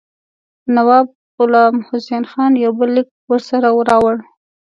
نواب غلام حسین خان یو بل لیک ورسره راوړ.